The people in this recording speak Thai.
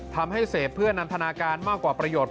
ทำให้เสพเพื่อนันทนาการมากกว่าประโยชน์